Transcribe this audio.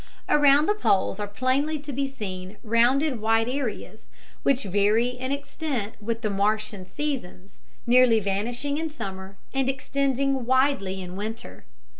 Around the poles are plainly to be seen rounded white areas, which vary in extent with the Martian seasons, nearly vanishing in summer and extending widely in winter.